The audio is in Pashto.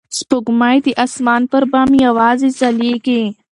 سپوږمۍ د اسمان پر بام یوازې ځلېږي.